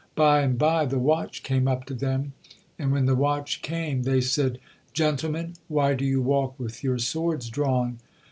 By and bye the watch came up to them, and when the watch came they said, "Gentlemen, why do you walk with your swords drawn?"